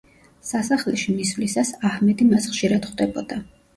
სასახლეში მისვლისას აჰმედი მას ხშირად ხვდებოდა.